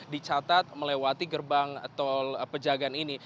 dicatat melewati gerbang tol pejagaan ini